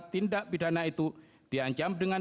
tindak pidana itu diancam dengan